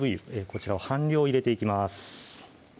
こちらを半量入れていきます